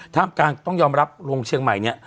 กลางต้องยอมรับลงเชียงใหม่เนี่ย